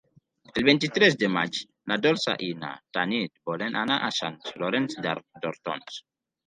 El vint-i-tres de maig na Dolça i na Tanit volen anar a Sant Llorenç d'Hortons.